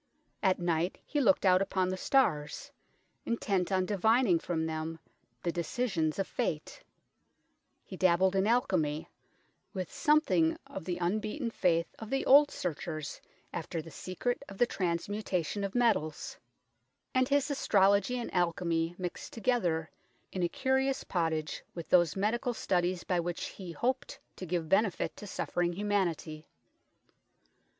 At night he looked out upon the stars, intent on divining from them the decisions of Fate ; he dabbled in alchemy, with something of the unbeaten faith of the old searchers after the secret of the transmutation LETTERS FROM LONDON 217 of metals ; and his astrology and alchemy mixed together in a curious potage with those medical studies by which he hoped to give benefit to suffering humanity.